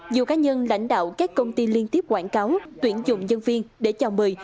nhiều cá nhân lãnh đạo các công ty liên tiếp quảng cáo tuyển dụng nhân viên để chào mời